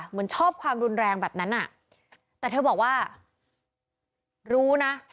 เหมือนชอบความรุนแรงแบบนั้นอ่ะแต่เธอบอกว่ารู้นะ